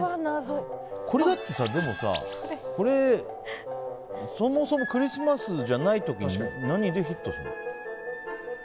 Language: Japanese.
でもさ、そもそもクリスマスじゃない時に何でヒットするの？